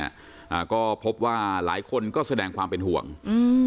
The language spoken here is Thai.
อ่าก็พบว่าหลายคนก็แสดงความเป็นห่วงอืม